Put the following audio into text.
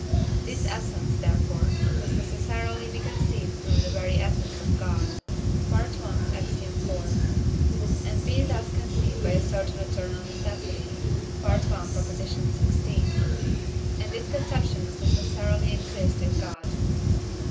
This essence, therefore, must necessarily be conceived through the very essence of God (I. Ax. iv.), and be thus conceived by a certain eternal necessity (I. xvi.); and this conception must necessarily exist in God (II.